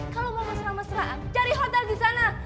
kalau mau mesra mesraan cari hotel di sana